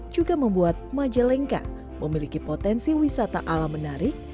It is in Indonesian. juga membuat majalengka memiliki potensi wisata alam menarik